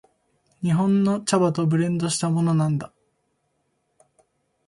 この紅茶はスリランカ産の茶葉を日本の茶葉とブレンドしたものなんだ。